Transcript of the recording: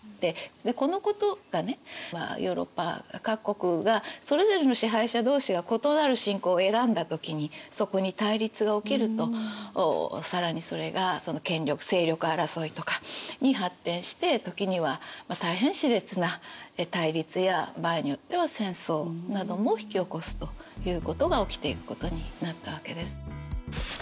このことがねヨーロッパ各国がそれぞれの支配者同士が異なる信仰を選んだ時にそこに対立が起きると更にそれが権力勢力争いとかに発展して時には大変しれつな対立や場合によっては戦争なども引き起こすということが起きていくことになったわけです。